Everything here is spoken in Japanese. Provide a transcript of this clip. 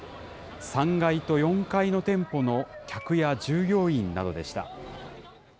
３階と４階の店舗の客や従業員などでした。